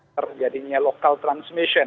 terjadinya local transmission